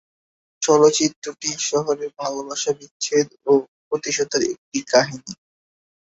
চলচ্চিত্রটি শহুরে ভালোবাসা বিচ্ছেদ ও প্রতিশোধের একটি কাহিনী।